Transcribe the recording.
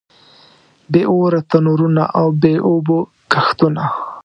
بې اوره تنورونه او بې اوبو کښتونه.